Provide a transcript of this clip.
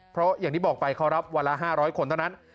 เพราะอย่างที่บอกไปเขารับวันละ๕๐๐คนเท่านั้น